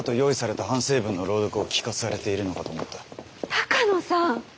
鷹野さん。